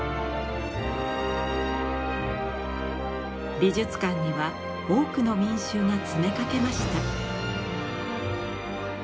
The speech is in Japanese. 美術館には多くの民衆が詰めかけました。